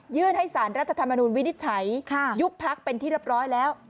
ให้สารรัฐธรรมนุนวินิจฉัยยุบพักเป็นที่เรียบร้อยแล้ว